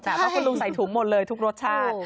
เพราะคุณลุงใส่ถุงหมดเลยทุกรสชาติ